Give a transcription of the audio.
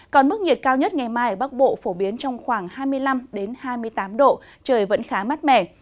còn mức nhiệt cao nhất ngày mai ở bắc bộ phổ biến trong khoảng hai mươi năm hai mươi tám độ trời vẫn khá mát mẻ